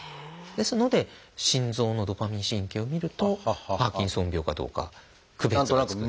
ですので心臓のドパミン神経をみるとパーキンソン病かどうか区別がつくんです。